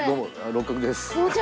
六角です。